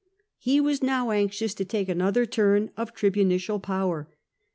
He was now anxious to take another turn of tribunicial power.